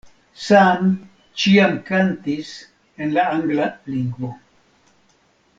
Sam ĉiam kantis en la angla lingvo.